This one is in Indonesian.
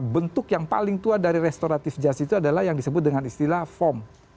bentuk yang paling tua dari restoratif justice itu adalah yang disebut dengan istilah form